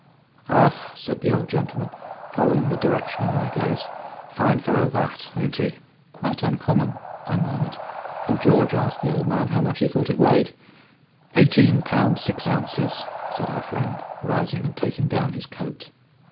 "Ah!" said the old gentleman, following the direction of my gaze, "fine fellow that, ain't he?" "Quite uncommon," I murmured; and George asked the old man how much he thought it weighed. "Eighteen pounds six ounces," said our friend, rising and taking down his coat.